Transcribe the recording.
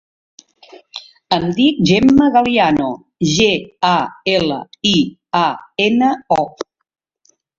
Em dic Gemma Galiano: ge, a, ela, i, a, ena, o.